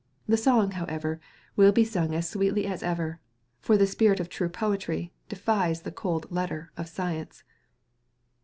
The song, however, will be sung as sweetly as ever; for the spirit of true poetry defies the cold letter of science.